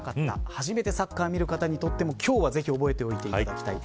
初めてサッカーを見る方にとっても今日、ぜひ覚えておいていただきたい。